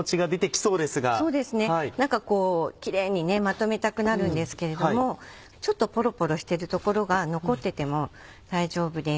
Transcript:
そうですね何かキレイにまとめたくなるんですけれどもちょっとポロポロしてるところが残ってても大丈夫です。